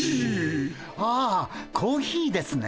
ああコーヒーですね